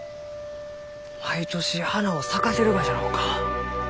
毎年花を咲かせるがじゃろうか。